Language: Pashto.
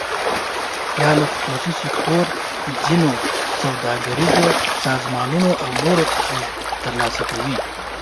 یا له خصوصي سکتور، ځینو سوداګریزو سازمانونو او نورو څخه یې تر لاسه کوي.